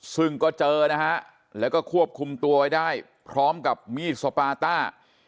ซึ่งก็เจอนะฮะแล้วก็ควบคุมตัวไว้ได้พร้อมกับมีดสปาต้า